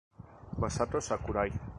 Masato Sakurai